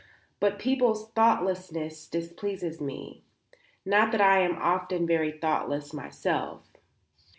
But people's thoughtlessness displeases me, not that I am not often very thoughtless myself."